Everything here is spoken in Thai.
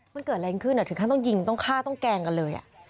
มันเกิดอะไรขึ้นถึงขั้นต้องยิงต้องฆ่าต้องแกล้งกันเลย